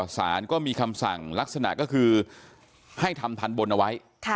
สารก็มีคำสั่งลักษณะก็คือให้ทำทันบนเอาไว้